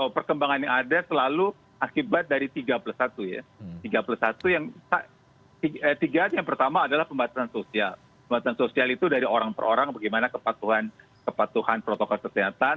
pembatasan sosial itu dari orang per orang bagaimana kepatuhan protokol kesehatan